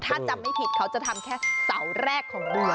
ถ้าจำไม่ผิดเขาจะทำแค่เสาแรกของเดือน